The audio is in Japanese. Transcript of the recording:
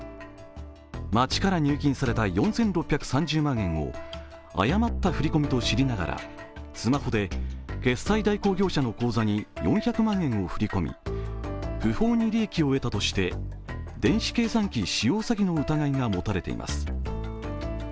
町から入金された４６３０万円を誤った振り込みと知りながらスマホで決済代行業者の口座に４００万円を振り込み不法に利益を得たとして電子計算機使用詐欺の疑いが持たれています。